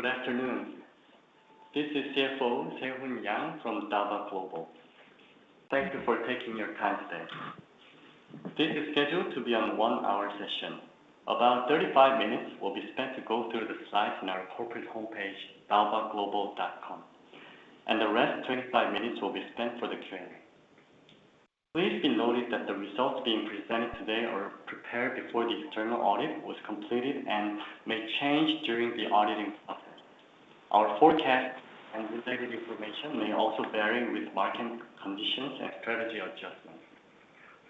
Good afternoon. This is CFO Se-hun Yang from d'Alba Global. Thank you for taking your time today. This is scheduled to be a one-hour session. About 35 minutes will be spent to go through the slides in our corporate homepage, dalbaglobal.com, and the rest, 25 minutes, will be spent for the Q&A. Please be noted that the results being presented today are prepared before the external audit was completed and may change during the auditing process. Our forecast and executive information may also vary with market conditions and strategy adjustments.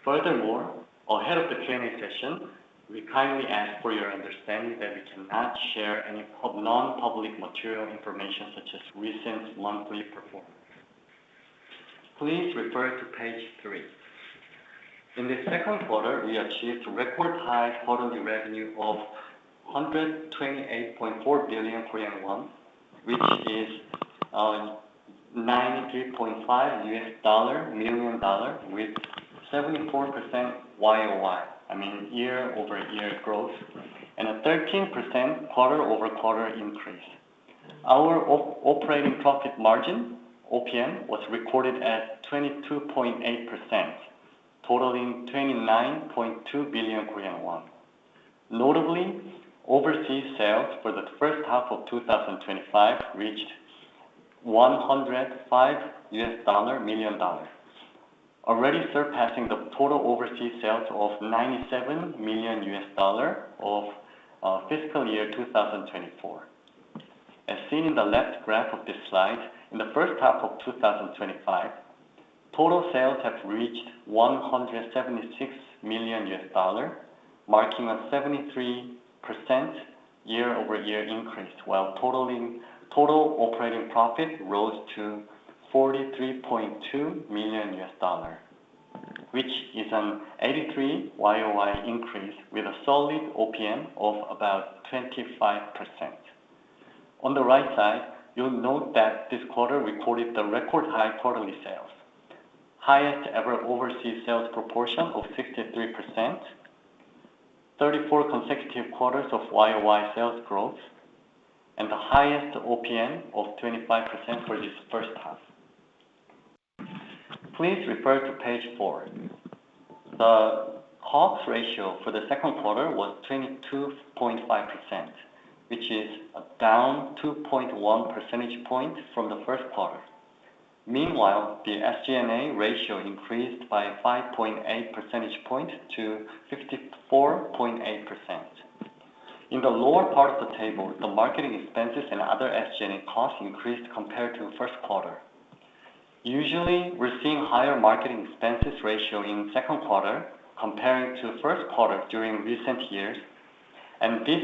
Furthermore, ahead of the Q&A session, we kindly ask for your understanding that we cannot share any non-public material information such as recent monthly performance. Please refer to page three. In the second quarter, we achieved record high quarterly revenue of 128.4 billion Korean won, which is $93.5 million with 74% year-over-year growth, and a 13% quarter-over-quarter increase. Our operating profit margin, OPM, was recorded at 22.8%, totaling KRW 29.2 billion. Notably, overseas sales for the first half of 2025 reached $105 million, already surpassing the total overseas sales of $97 million of FY 2024. As seen in the left graph of this slide, in the first half of 2025, total sales have reached $176 million, marking a 73% year-over-year increase, while total operating profit rose to $43.2 million, which is an 83% year-over-year increase with a solid OPM of about 25%. On the right side, you'll note that this quarter recorded the record high quarterly sales, highest ever overseas sales proportion of 63%, 34 consecutive quarters of year-over-year sales growth, and the highest OPM of 25% for this first half. Please refer to page four. The COGS ratio for the second quarter was 22.5%, which is down 2.1 percentage point from the first quarter. Meanwhile, the SG&A ratio increased by 5.8 percentage point to 54.8%. In the lower part of the table, the marketing expenses and other SG&A costs increased compared to first quarter. Usually, we're seeing higher marketing expenses ratio in second quarter comparing to first quarter during recent years, and this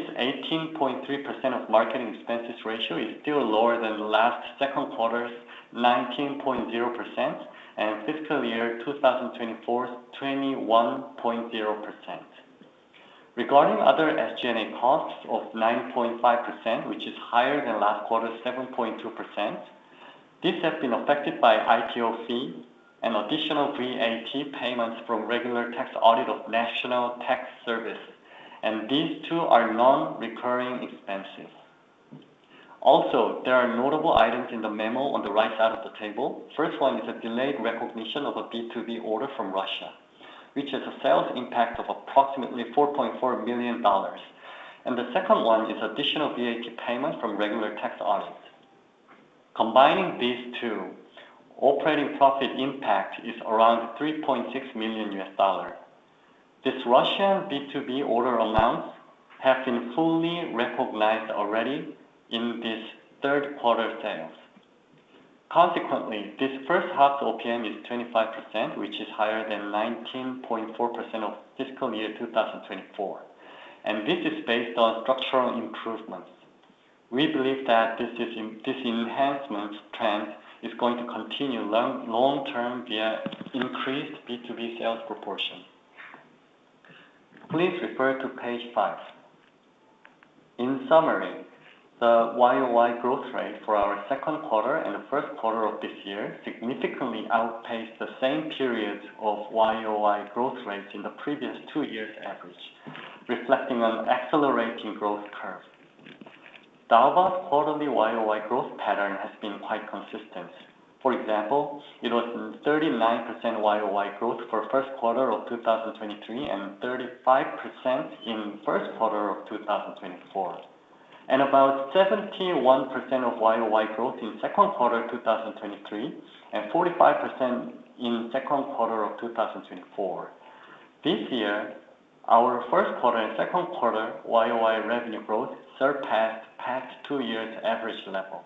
18.3% of marketing expenses ratio is still lower than last second quarter's 19.0% and FY 2024's 21.0%. Regarding other SG&A costs of 9.5%, which is higher than last quarter's 7.2%, this has been affected by IPO fee and additional VAT payments from regular tax audit of National Tax Service, and these two are non-recurring expenses. Also, there are notable items in the memo on the right side of the table. First one is a delayed recognition of a B2B order from Russia, which has a sales impact of approximately $4.4 million. The second one is additional VAT payment from regular tax audits. Combining these two, operating profit impact is around $3.6 million. This Russian B2B order amounts have been fully recognized already in this third quarter sales. Consequently, this first half OPM is 25%, which is higher than 19.4% of FY 2024, and this is based on structural improvements. We believe that this enhancement trend is going to continue long-term via increased B2B sales proportion. Please refer to page five. In summary, the year-over-year growth rate for our second quarter and first quarter of this year significantly outpaced the same period of year-over-year growth rates in the previous two years' average, reflecting an accelerating growth curve. d'Alba's quarterly year-over-year growth pattern has been quite consistent. For example, it was 39% year-over-year growth for first quarter of 2023, and 35% in first quarter of 2024, and about 71% of year-over-year growth in second quarter 2023, and 45% in second quarter of 2024. This year, our first quarter and second quarter year-over-year revenue growth surpassed past two years' average level.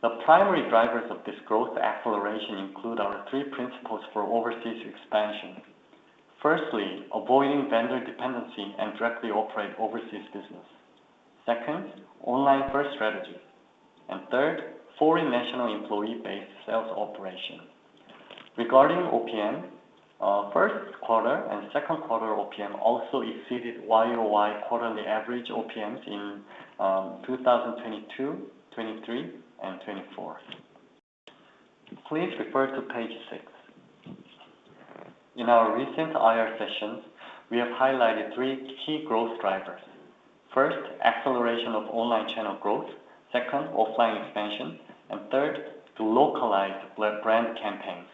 The primary drivers of this growth acceleration include our three principles for overseas expansion. Firstly, avoiding vendor dependency and directly operate overseas business. Second, online-first strategy. And third, foreign national employee-based sales operation. Regarding OPM, first quarter and second quarter OPM also exceeded year-over-year quarterly average OPMs in 2022, 2023, and 2024. Please refer to page six. In our recent IR sessions, we have highlighted three key growth drivers. First, acceleration of online channel growth, second, offline expansion, and third, the localized brand campaigns.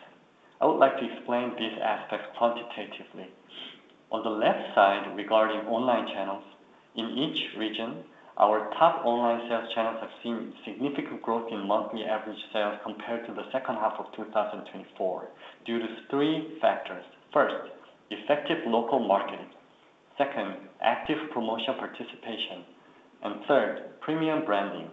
I would like to explain these aspects quantitatively. On the left side, regarding online channels, in each region, our top online sales channels have seen significant growth in monthly average sales compared to the second half of 2024 due to three factors. First, effective local marketing, second, active promotion participation, and third, premium branding.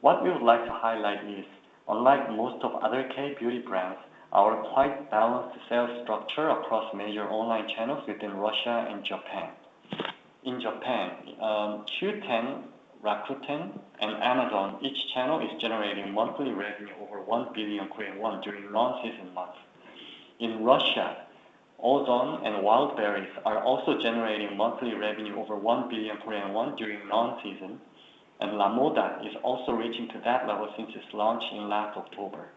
What we would like to highlight is, unlike most of other K-beauty brands, our quite balanced sales structure across major online channels within Russia and Japan. In Japan, Qoo10, Rakuten, and Amazon, each channel is generating monthly revenue over 1 billion Korean won during non-season months. In Russia, Ozon and Wildberries are also generating monthly revenue over 1 billion Korean won during non-season, and Lamoda is also reaching to that level since its launch in last October.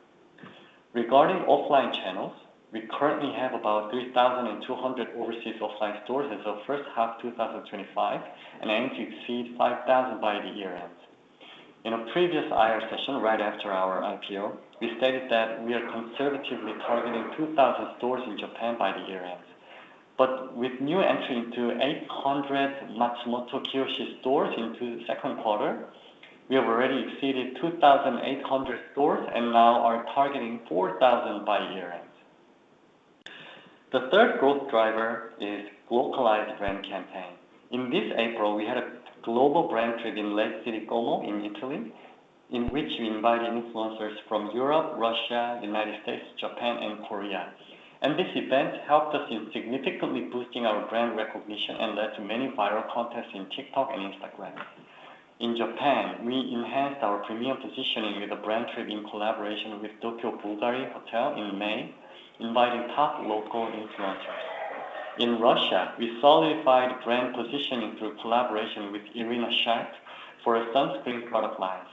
Regarding offline channels, we currently have about 3,200 overseas offline stores as of first half 2025 and aim to exceed 5,000 by the year-end. In a previous IPO session, right after our IPO, we stated that we are conservatively targeting 2,000 stores in Japan by the year-end. But with new entry into 800 Matsumoto Kiyoshi stores into second quarter, we have already exceeded 2,800 stores and now are targeting 4,000 by year-end. The third growth driver is localized brand campaign. In this April, we had a global brand trip in Lake Como in Italy, in which we invited influencers from Europe, Russia, United States, Japan, and Korea. And this event helped us in significantly boosting our brand recognition and led to many viral contents in TikTok and Instagram. In Japan, we enhanced our premium positioning with a brand trip in collaboration with Bvlgari Hotel Tokyo in May, inviting top local influencers. In Russia, we solidified brand positioning through collaboration with Irina Shayk for a sunscreen product line.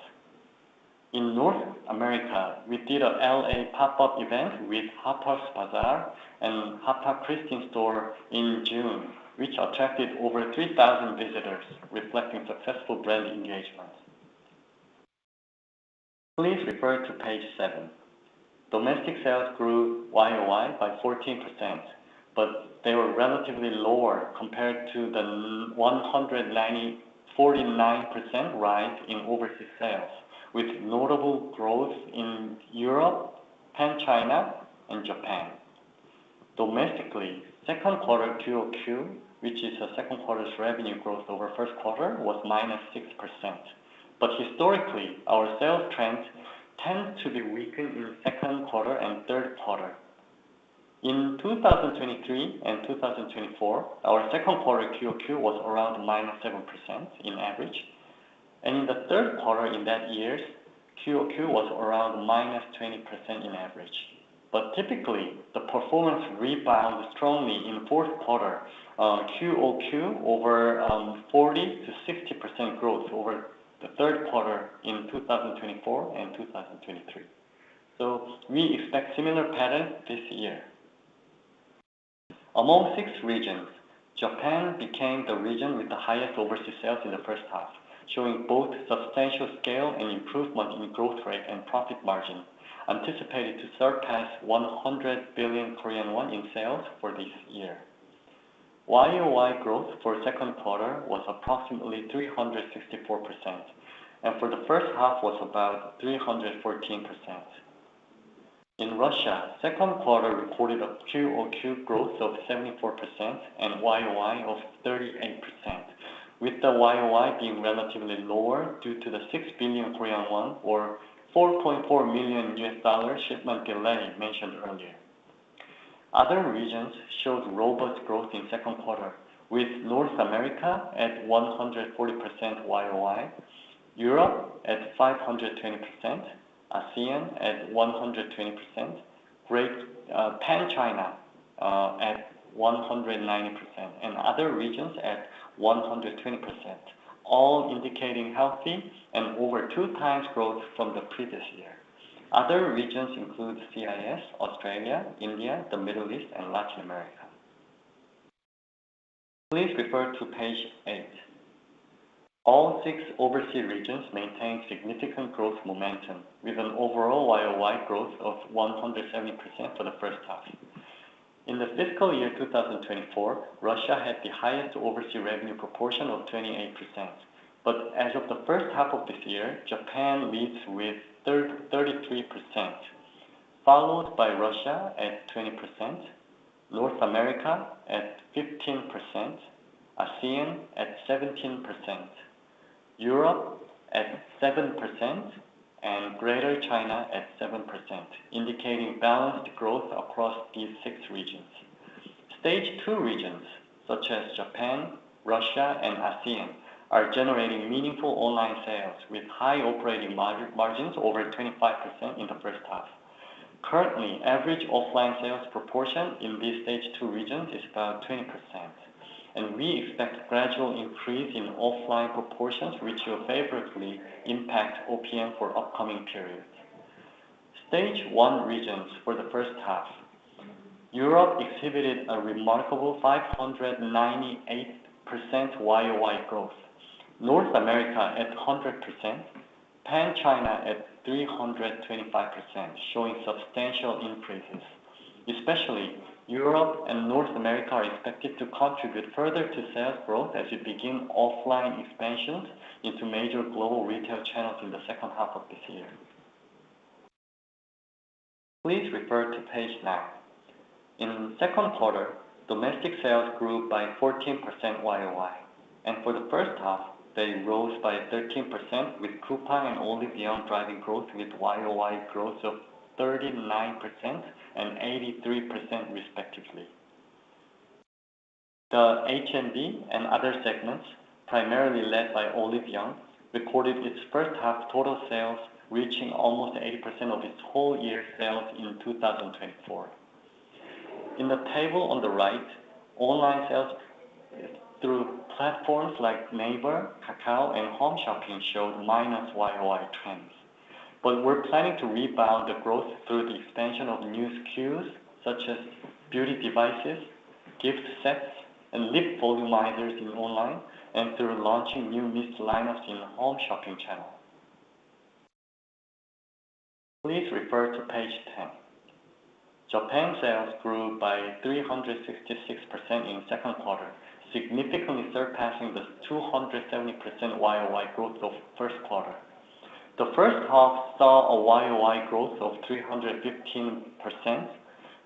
In North America, we did a L.A. pop-up event with Harper's Bazaar and Hapa Kristin store in June, which attracted over 3,000 visitors, reflecting successful brand engagement. Please refer to page seven. Domestic sales grew year-over-year by 14%, but they were relatively lower compared to the 149% rise in overseas sales, with notable growth in Europe, Pan China, and Japan. Domestically, second quarter QOQ, which is the second quarter's revenue growth over first quarter, was -6%. Historically, our sales trends tend to be weakened in second quarter and third quarter. In 2023 and 2024, our second quarter QOQ was around -7% in average, and in the third quarter in that years, QOQ was around -20% in average. Typically, the performance rebounds strongly in fourth quarter, QOQ over 40%-60% growth over the third quarter in 2024 and 2023. We expect similar patterns this year. Among six regions, Japan became the region with the highest overseas sales in the first half, showing both substantial scale and improvement in growth rate and profit margin, anticipated to surpass 100 billion Korean won in sales for this year. YOY growth for second quarter was approximately 364%, and for the first half was about 314%. In Russia, second quarter recorded a QOQ growth of 74% and YOY of 38%, with the YOY being relatively lower due to the 6 billion Korean won or $4.4 million shipment delay mentioned earlier. Other regions showed robust growth in second quarter, with North America at 140% YOY, Europe at 520%, ASEAN at 120%, Pan China at 190%, and other regions at 120%, all indicating healthy and over two times growth from the previous year. Other regions include CIS, Australia, India, the Middle East, and Latin America. Please refer to page eight. All six overseas regions maintain significant growth momentum, with an overall YOY growth of 170% for the first half. In the FY 2024, Russia had the highest overseas revenue proportion of 28%, but as of the first half of this year, Japan leads with 33%, followed by Russia at 20%, North America at 15%, ASEAN at 17%, Europe at 7%, and Greater China at 7%, indicating balanced growth across these six regions. Stage 2 regions, such as Japan, Russia, and ASEAN, are generating meaningful online sales with high operating margins over 25% in the first half. Currently, average offline sales proportion in these Stage 2 regions is about 20%. We expect gradual increase in offline proportions, which will favorably impact OPM for upcoming periods. Stage 1 regions for the first half. Europe exhibited a remarkable 598% YOY growth, North America at 100%, Pan China at 325%, showing substantial increases. Especially Europe and North America are expected to contribute further to sales growth as we begin offline expansions into major global retail channels in the second half of this year. Please refer to page nine. In the second quarter, domestic sales grew by 14% YOY, and for the first half, they rose by 13% with Coupang and Olive Young driving growth with YOY growth of 39% and 83% respectively. The H&B and other segments, primarily led by Olive Young, recorded its first half total sales reaching almost 80% of its whole year sales in 2024. In the table on the right, online sales through platforms like Naver, Kakao, and Home Shopping showed minus YOY trends. We're planning to rebound the growth through the expansion of new SKUs such as beauty devices, gift sets, and lip volumizers in online and through launching new mist lineups in the Home Shopping channel. Please refer to page 10. Japan sales grew by 366% in second quarter, significantly surpassing the 270% YOY growth of first quarter. The first half saw a YOY growth of 315%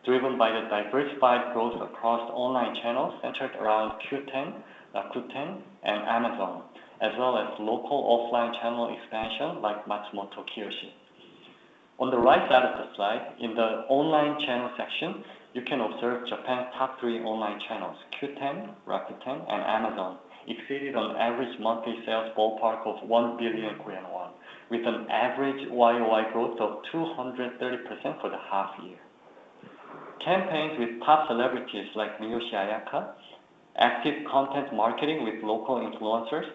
driven by the diversified growth across online channels centered around Qoo10, Rakuten, and Amazon, as well as local offline channel expansion like Matsumoto Kiyoshi. On the right side of the slide, in the online channel section, you can observe Japan's top three online channels, Qoo10, Rakuten, and Amazon exceeded on average monthly sales ballpark of 1 billion Korean won with an average YOY growth of 230% for the half year. Campaigns with top celebrities like Miyoshi Ayaka, active content marketing with local influencers,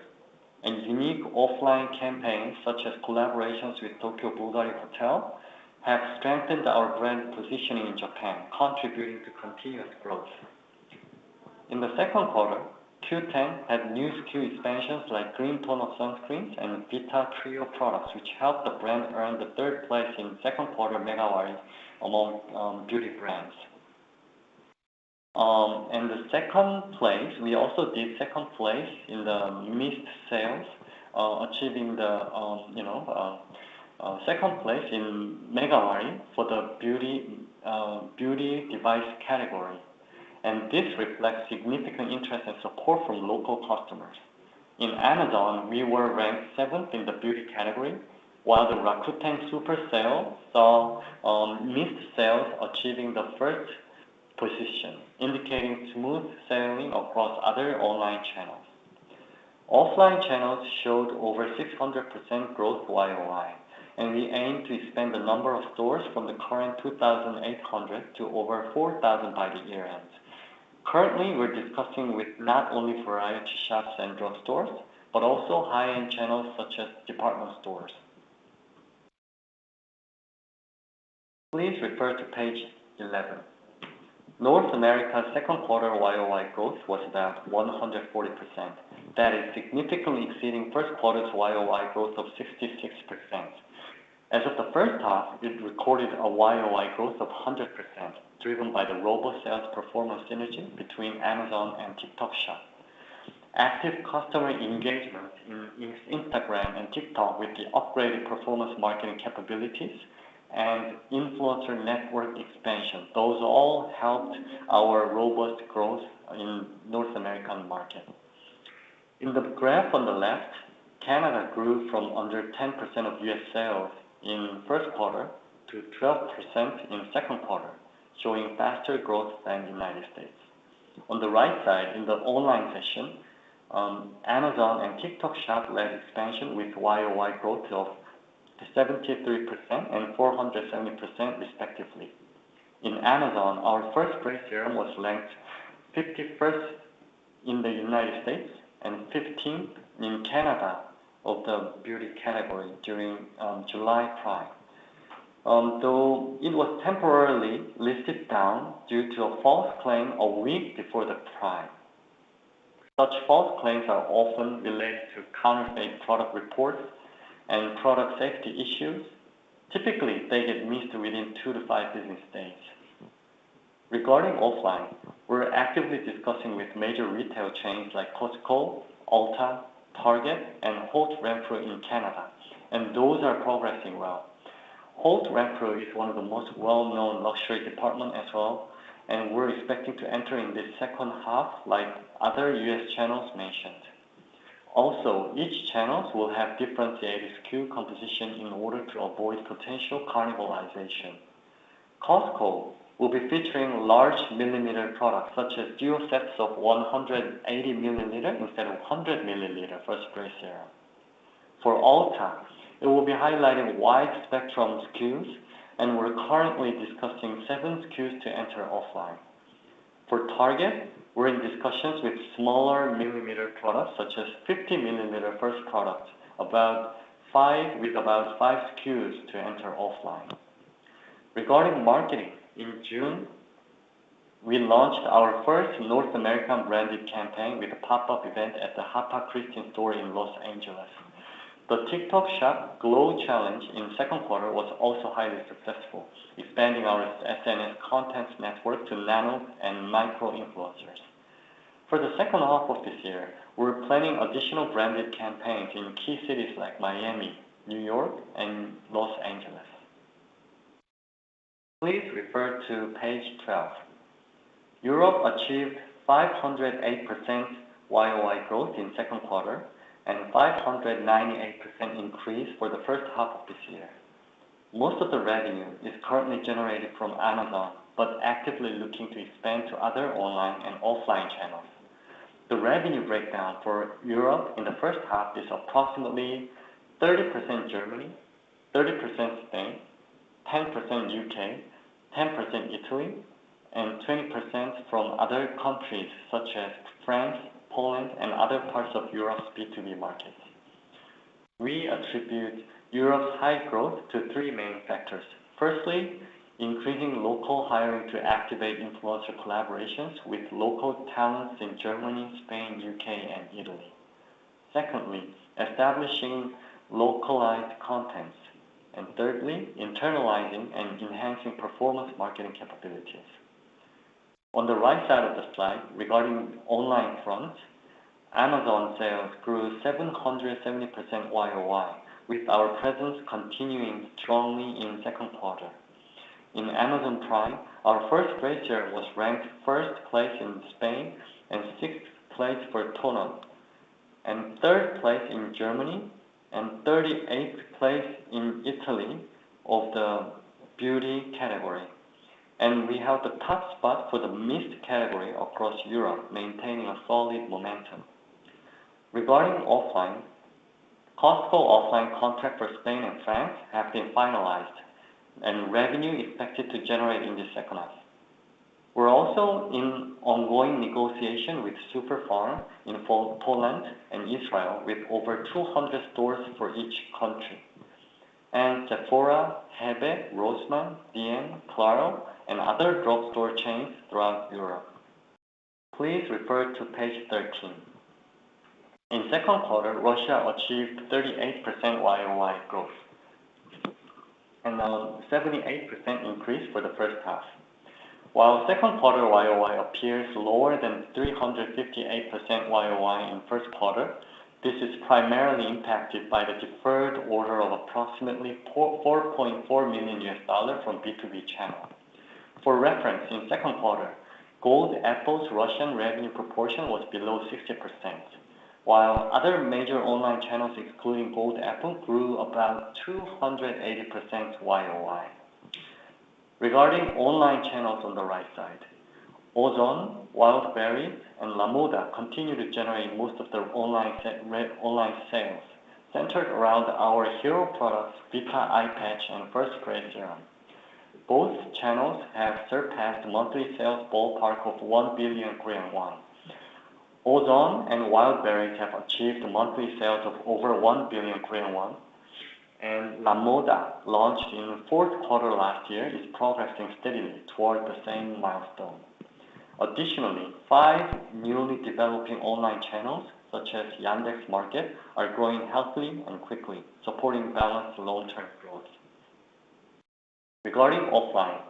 and unique offline campaigns such as collaborations with Bvlgari Hotel Tokyo, have strengthened our brand positioning in Japan, contributing to continuous growth. In the second quarter, Qoo10 had new SKU expansions like Green Tone-Up Sunscreens and Vita Trio products, which helped the brand earn the third place in second quarter Mega Sale among beauty brands. We also did second place in the mist sales, achieving the second place in Mega Sale for the beauty device category, and this reflects significant interest and support from local customers. In Amazon, we were ranked seventh in the beauty category, while the Rakuten Super Sale saw mist sales achieving the first position, indicating smooth sailing across other online channels. Offline channels showed over 600% growth YOY, and we aim to expand the number of stores from the current 2,800 to over 4,000 by the year-end. Currently, we're discussing with not only variety shops and drugstores, but also high-end channels such as department stores. Please refer to page 11. North America's second quarter YOY growth was about 140%. That is significantly exceeding first quarter's YOY growth of 66%. As of the first half, it recorded a YOY growth of 100%, driven by the robust sales performance synergy between Amazon and TikTok Shop. Active customer engagement in Instagram and TikTok with the upgraded performance marketing capabilities and influencer network expansion. Those all helped our robust growth in North American market. In the graph on the left, Canada grew from under 10% of U.S. sales in first quarter to 12% in second quarter, showing faster growth than United States. On the right side, in the online section, Amazon and TikTok Shop led expansion with YOY growth of 73% and 470% respectively. In Amazon, our First Spray Serum was ranked 51st in the United States and 15th in Canada of the beauty category during July Prime. Though it was temporarily listed down due to a false claim a week before the Prime. Such false claims are often related to counterfeit product reports and product safety issues. Typically, they get missed within two to five business days. Regarding offline, we're actively discussing with major retail chains like Costco, Ulta, Target, and Holt Renfrew in Canada, and those are progressing well. Holt Renfrew is one of the most well-known luxury department as well, and we're expecting to enter in this second half like other U.S. channels mentioned. Each channels will have different SKU composition in order to avoid potential cannibalization. Costco will be featuring large milliliter products, such as duo sets of 180 milliliter instead of 100 milliliter First Spray Serum. For Ulta, it will be highlighting wide-spectrum SKUs, and we're currently discussing 7 SKUs to enter offline. For Target, we're in discussions with smaller millimeter products, such as 50-millimeter first product, with about five SKUs to enter offline. Regarding marketing, in June, we launched our first North American branded campaign with a pop-up event at the Hapa Kristin store in Los Angeles. The TikTok Shop Glow Challenge in the second quarter was also highly successful, expanding our SNS content network to nano and micro-influencers. For the second half of this year, we're planning additional branded campaigns in key cities like Miami, New York, and Los Angeles. Please refer to page 12. Europe achieved 508% year-over-year growth in the second quarter, and 598% increase for the first half of this year. Most of the revenue is currently generated from Amazon, but actively looking to expand to other online and offline channels. The revenue breakdown for Europe in the first half is approximately 30% Germany, 30% Spain, 10% U.K., 10% Italy, and 20% from other countries such as France, Poland, and other parts of Europe's B2B markets. We attribute Europe's high growth to three main factors. Firstly, increasing local hiring to activate influencer collaborations with local talents in Germany, Spain, U.K., and Italy. Secondly, establishing localized contents. Thirdly, internalizing and enhancing performance marketing capabilities. On the right side of the slide, regarding online front, Amazon sales grew 770% year-over-year, with our presence continuing strongly in the second quarter. In Amazon Prime, our First Spray Serum was ranked first place in Spain and sixth place for toner, and third place in Germany and 38th place in Italy of the beauty category, and we have the top spot for the mist category across Europe, maintaining a solid momentum. Regarding offline, cost for offline contract for Spain and France have been finalized, and revenue expected to generate in the second half. We're also in ongoing negotiation with Super-Pharm in Poland and Israel, with over 200 stores for each country, and Sephora, Bell, Rossmann, dm, Clarel, and other drugstore chains throughout Europe. Please refer to page 13. In the second quarter, Russia achieved 38% year-over-year growth and a 78% increase for the first half. While second quarter year-over-year appears lower than 358% year-over-year in the first quarter, this is primarily impacted by the deferred order of approximately $4.4 million from B2B channel. For reference, in the second quarter, Gold Apple's Russian revenue proportion was below 60%, while other major online channels, excluding Gold Apple, grew about 280% year-over-year. Regarding online channels on the right side, Ozon, Wildberries, and Lamoda continue to generate most of the online sales, centered around our hero products, Vita Eye Patch and First Spray Serum. Both channels have surpassed monthly sales ballpark of 1 billion Korean won. Ozon and Wildberries have achieved monthly sales of over 1 billion Korean won, and Lamoda, launched in the fourth quarter last year, is progressing steadily towards the same milestone. Additionally, five newly developing online channels, such as Yandex Market, are growing healthily and quickly, supporting balanced long-term growth. Regarding offline,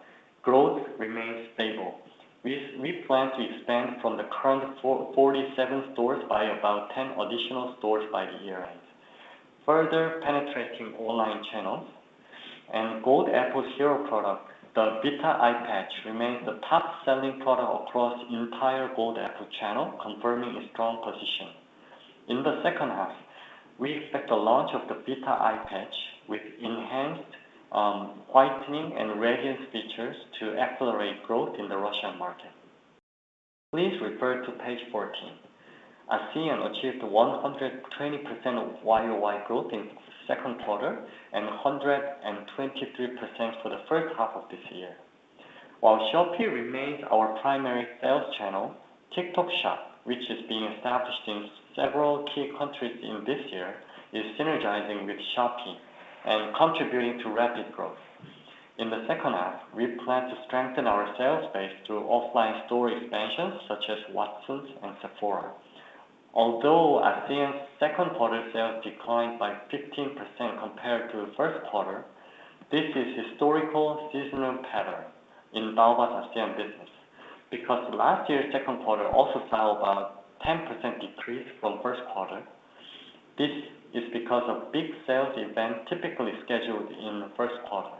growth remains stable. We plan to expand from the current 47 stores by about 10 additional stores by year-end, further penetrating online channels, and Gold Apple's hero product, the Vita Eye Patch, remains the top-selling product across the entire Gold Apple channel, confirming its strong position. In the second half, we expect the launch of the Vita Eye Patch with enhanced whitening and radiance features to accelerate growth in the Russian market. Please refer to page 14. ASEAN achieved 120% YOY growth in the second quarter and 123% for the first half of this year. While Shopee remains our primary sales channel, TikTok Shop, which is being established in several key countries in this year, is synergizing with Shopee and contributing to rapid growth. In the second half, we plan to strengthen our sales base through offline store expansions, such as Watsons and Sephora. Although ASEAN's second quarter sales declined by 15% compared to the first quarter, this is historical seasonal pattern in d'Alba's ASEAN business because last year's second quarter also saw about 10% decrease from the first quarter. This is because of big sales events typically scheduled in the first quarter.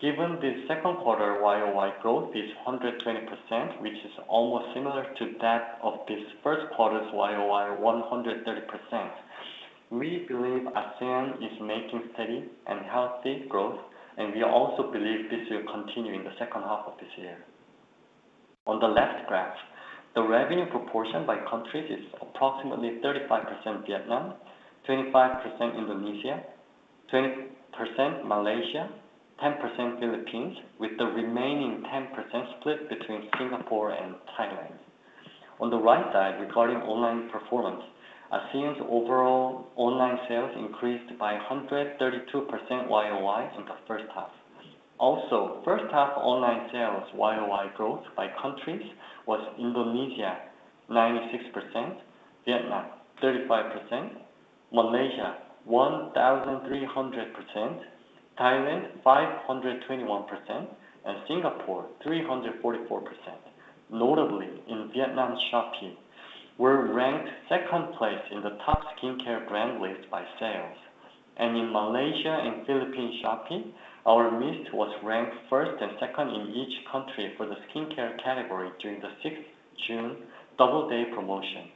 Given the second quarter YOY growth is 120%, which is almost similar to that of this first quarter's YOY 130%, we believe ASEAN is making steady and healthy growth, and we also believe this will continue in the second half of this year. On the left graph, the revenue proportion by countries is approximately 35% Vietnam, 25% Indonesia, 20% Malaysia, 10% Philippines, with the remaining 10% split between Singapore and Thailand. On the right side, regarding online performance, ASEAN's overall online sales increased by 132% YOY in the first half. Also, first half online sales YOY growth by countries was Indonesia 96%, Vietnam 35%, Malaysia 1,300%, Thailand 521%, and Singapore 344%. Notably, in Vietnam Shopee, we are ranked second place in the top skincare brand list by sales. In Malaysia and Philippines Shopee, our mist was ranked first and second in each country for the skincare category during the 6.6 Double Day promotion.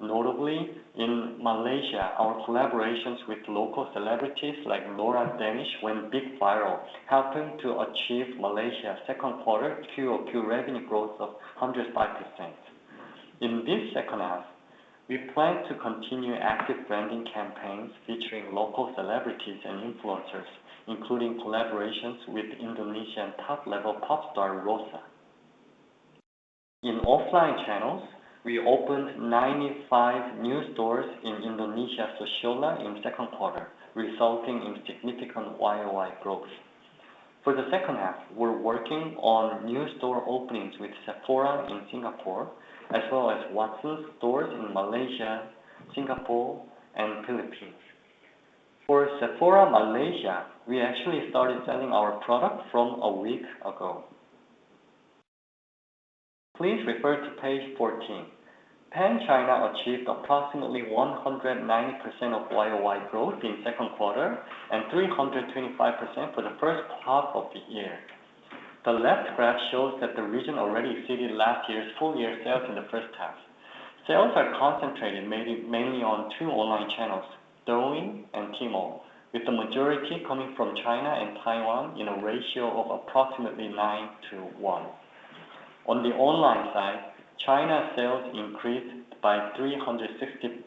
Notably, in Malaysia, our collaborations with local celebrities like Nora Danish went big viral, helping to achieve Malaysia's second quarter QOQ revenue growth of 105%. In this second half, we plan to continue active branding campaigns featuring local celebrities and influencers, including collaborations with Indonesian top-level pop star Rossa. In offline channels, we opened 95 new stores in Indonesia Sociolla in the second quarter, resulting in significant YOY growth. For the second half, we are working on new store openings with Sephora in Singapore, as well as Watsons stores in Malaysia, Singapore, and the Philippines. For Sephora Malaysia, we actually started selling our product from a week ago. Please refer to page 14. Pan China achieved approximately 190% YOY growth in the second quarter and 325% for the first half of the year. The left graph shows that the region already exceeded last year's full-year sales in the first half. Sales are concentrated mainly on two online channels, Douyin and Tmall, with the majority coming from China and Taiwan in a ratio of approximately nine to one. On the online side, China sales increased by 364%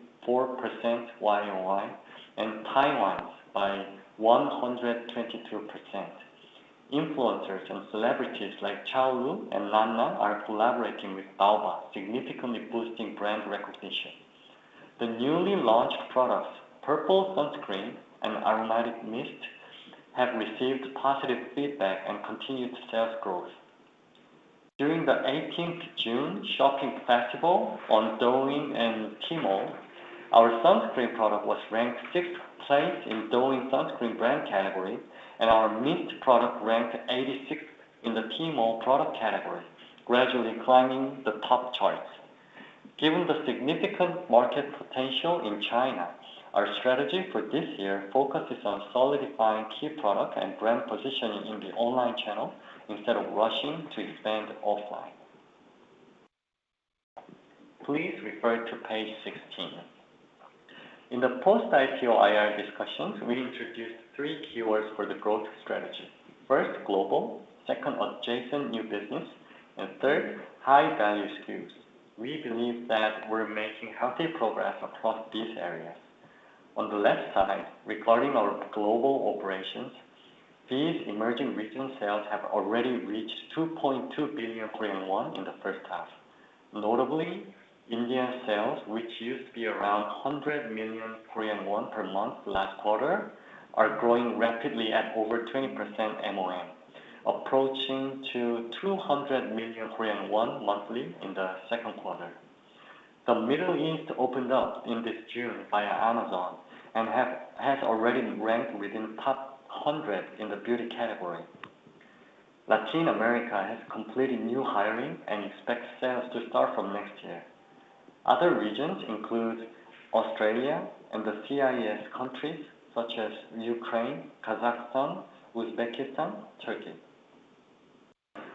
YOY and Taiwan's by 122%. Influencers and celebrities like Chaolu and Nana are collaborating with d'Alba, significantly boosting brand recognition. The newly launched products, Purple Sunscreen and Aromatic Mist, have received positive feedback and continued sales growth. During the 18th June shopping festival on Douyin and Tmall, our sunscreen product was ranked sixth place in Douyin sunscreen brand category, and our mist product ranked 86th in the Tmall product category, gradually climbing the top charts. Given the significant market potential in China, our strategy for this year focuses on solidifying key product and brand positioning in the online channel instead of rushing to expand offline. Please refer to page 16. In the post-IPO IR discussions, we introduced three keywords for the growth strategy. First, global, second, adjacent new business, and third, high-value SKUs. We believe that we're making healthy progress across these areas. On the left side, regarding our global operations, these emerging region sales have already reached 2.2 billion Korean won in the first half. Notably, Indian sales, which used to be around 100 million Korean won per month last quarter, are growing rapidly at over 20% MOM, approaching to 200 million Korean won monthly in the second quarter. The Middle East opened up in this June via Amazon and has already ranked within the top 100 in the beauty category. Latin America has completed new hiring and expects sales to start from next year. Other regions include Australia and the CIS countries, such as Ukraine, Kazakhstan, Uzbekistan, Turkey.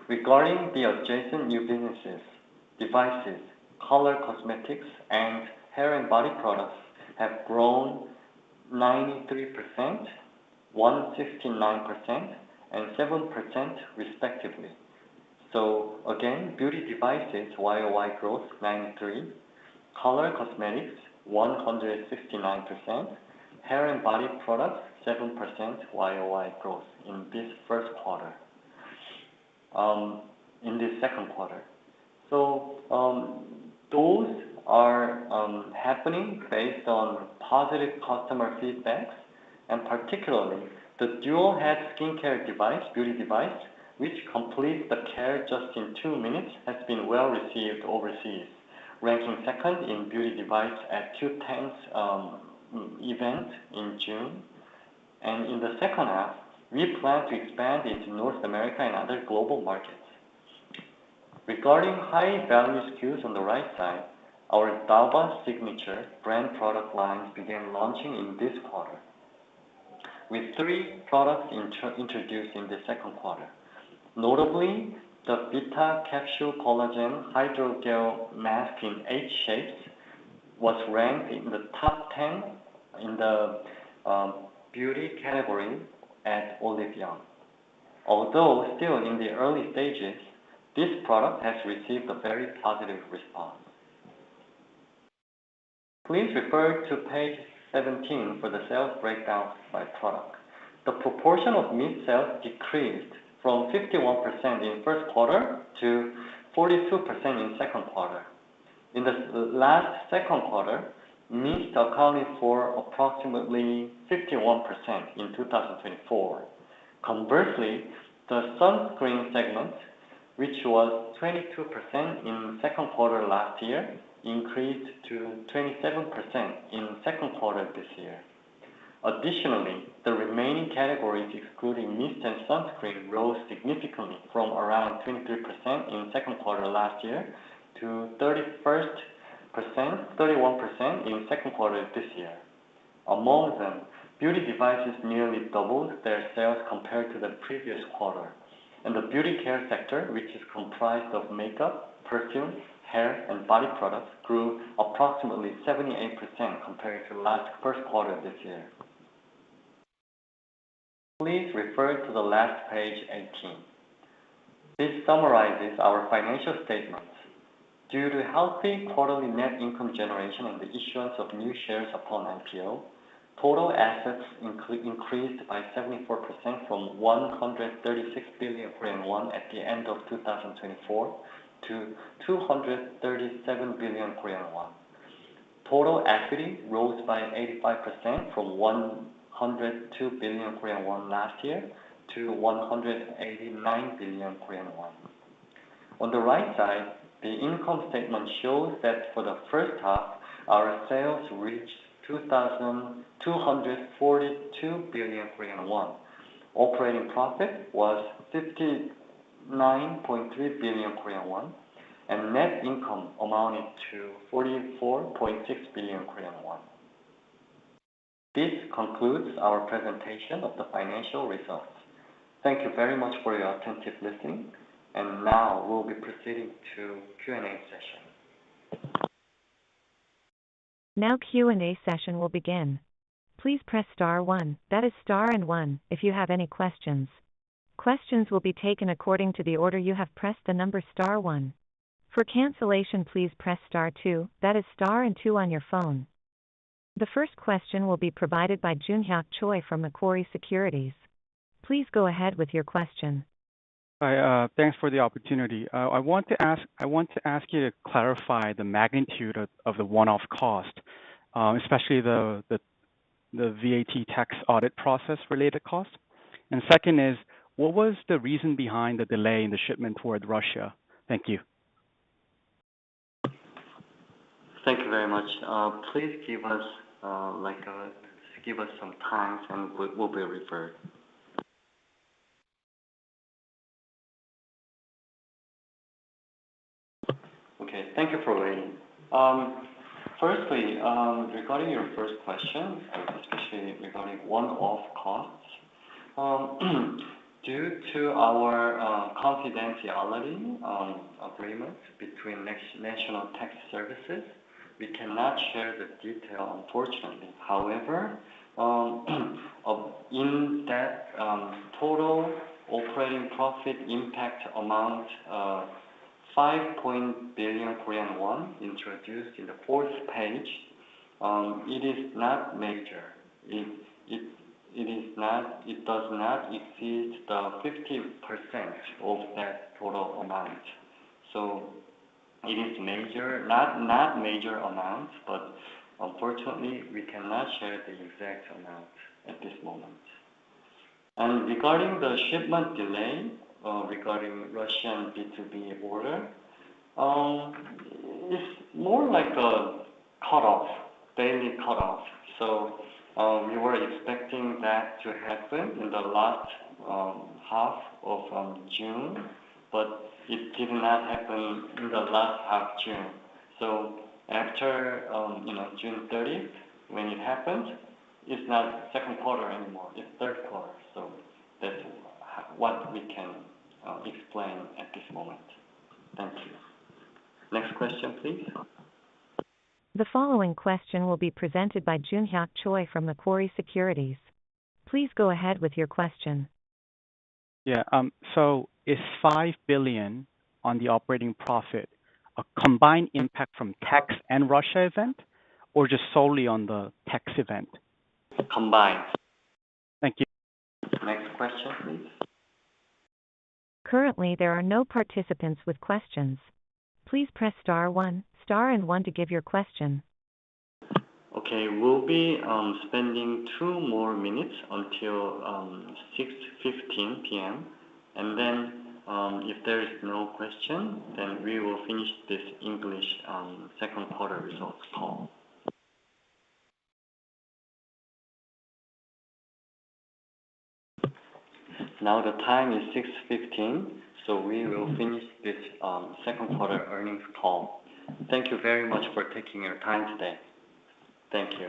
Regarding the adjacent new businesses, devices, color cosmetics, and hair and body products have grown 93%, 169%, and 7% respectively. Again, beauty devices YOY growth 93%, color cosmetics 169%, hair and body products 7% YOY growth in this second quarter. Those are happening based on positive customer feedback, and particularly the dual head skincare device, beauty device, which completes the care just in two minutes, has been well-received overseas, ranking second in beauty device at two tents event in June. In the second half, we plan to expand into North America and other global markets. Regarding high-value SKUs on the right side, our d'Alba Signature brand product lines began launching in this quarter, with three products introduced in the second quarter. Notably, the Vita Capsule Collagen Hydrogel Mask in eight shapes was ranked in the top 10 in the beauty category at Olive Young. Although still in the early stages, this product has received a very positive response. Please refer to page 17 for the sales breakdown by product. The proportion of mist sales decreased from 51% in first quarter to 42% in second quarter. In the last second quarter, mist accounted for approximately 51% in 2024. Conversely, the sunscreen segment, which was 22% in second quarter last year, increased to 27% in second quarter this year. Additionally, the remaining categories excluding mist and sunscreen rose significantly from around 23% in second quarter last year to 31% in second quarter this year. Among them, beauty devices nearly doubled their sales compared to the previous quarter. The beauty care sector, which is comprised of makeup, perfume, hair, and body products, grew approximately 78% compared to last first quarter this year. Please refer to the last page 18. This summarizes our financial statements. Due to healthy quarterly net income generation and the issuance of new shares upon IPO, total assets increased by 74% from 136 billion Korean won at the end of 2024 to 237 billion Korean won. Total equity rose by 85% from 102 billion Korean won last year to 189 billion Korean won. On the right side, the income statement shows that for the first half, our sales reached 2,242 billion Korean won. Operating profit was 59.3 billion Korean won, and net income amounted to 44.6 billion Korean won. This concludes our presentation of the financial results. Thank you very much for your attentive listening, now we'll be proceeding to Q&A session. Now Q&A session will begin. Please press star one, that is star and one, if you have any questions. Questions will be taken according to the order you have pressed the number star one. For cancellation, please press star two, that is star and two on your phone. The first question will be provided by Jun Choi from Macquarie Securities. Please go ahead with your question. Hi. Thanks for the opportunity. I want to ask you to clarify the magnitude of the one-off cost, especially the VAT tax audit process related cost. Second is, what was the reason behind the delay in the shipment toward Russia? Thank you. Thank you very much. Please give us some time, and we'll be referred. Okay, thank you for waiting. Firstly, regarding your first question, especially regarding one-off costs, due to our confidentiality agreements between National Tax Service, we cannot share the detail unfortunately. However, in that total operating profit impact amount of 5 billion Korean won introduced in the fourth page, it is not major. It does not exceed the 50% of that total amount. It is not major amounts, but unfortunately, we cannot share the exact amount at this moment. Regarding the shipment delay, regarding Russian B2B order, it's more like a daily cut-off. We were expecting that to happen in the last half of June, but it did not happen in the last half June. After June 30th, when it happened, it's not second quarter anymore, it's third quarter. That's what we can explain at this moment. Thank you. Next question, please. The following question will be presented by Jun Choi from Macquarie Securities. Please go ahead with your question. Yeah. Is 5 billion on the operating profit a combined impact from tax and Russia event, or just solely on the tax event? Combined. Thank you. Next question, please. Currently, there are no participants with questions. Please press star one, star and one to give your question. Okay, we'll be spending two more minutes until 6:15 P.M. If there is no question, then we will finish this English second quarter results call. Now the time is 6:15. We will finish this second quarter earnings call. Thank you very much for taking your time today. Thank you.